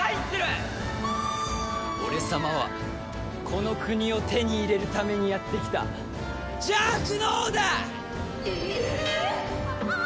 俺様はこの国を手に入れるためにやって来た邪悪の王だ！ええーっ！